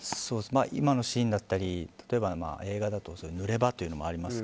今のシーンだったり例えば映画だと濡れ場というのもあります。